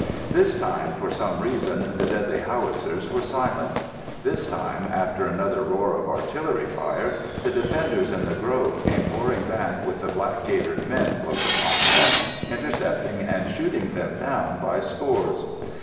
This time, for some reason, the deadly howitzers were silent. This time, after another roar of artillery fire, the defenders in the grove came pouring back with the black gaitered men close upon them, intercepting and shooting them down by scores.